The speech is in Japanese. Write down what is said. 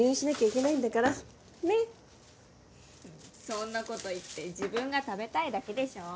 そんなこと言って自分が食べたいだけでしょ。